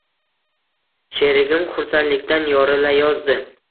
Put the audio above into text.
Sherigim xursandlikdan yorilayozdi